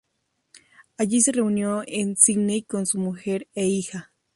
Allí se reunió en Sidney con su mujer e hija.